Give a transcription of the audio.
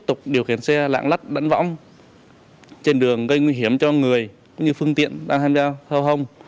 trên đường gây nguy hiểm cho người cũng như phương tiện đang hành giao thâu hông